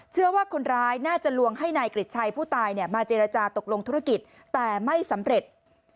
เชื่อว่าคนร้ายน่าจะลวงให้นายกริจชัยผู้ตายมาเจรจาตกลงธุรกิจแต่ไม่สำเร็จ